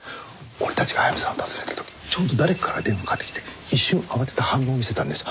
俺たちが早見さんを訪ねた時ちょうど誰かから電話かかってきて一瞬慌てた反応を見せたんです。